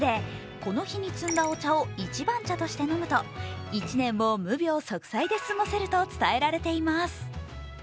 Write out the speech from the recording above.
この日につんだお茶を一番茶として飲むと一年を無病息災で過ごせると伝えられています。